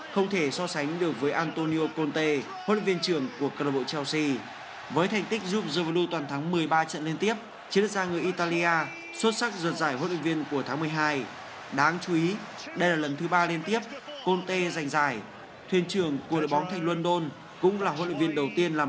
không thể so sánh được với antonio conte huấn luyện viên trưởng của club chelsea